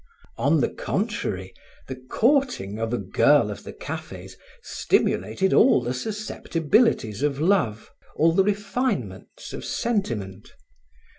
On the contrary, the courting of a girl of the cafes stimulated all the susceptibilities of love, all the refinements of sentiment.